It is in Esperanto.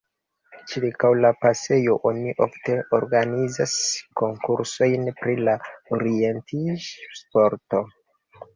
Ĉirkaŭ la pasejo oni ofte organizas konkursojn pri la orientiĝ-sporto.